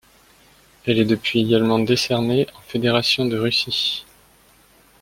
Elle est depuis également décernée en Fédération de Russie.